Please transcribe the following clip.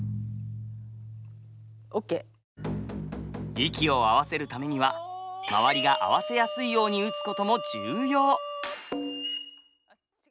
息を合わせるためには周りが合わせやすいように打つことも重要。